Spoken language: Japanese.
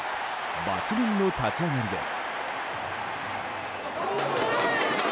抜群の立ち上がりです。